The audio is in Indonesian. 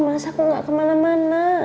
masa kok gak kemana mana